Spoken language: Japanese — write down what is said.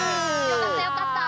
よかったよかった。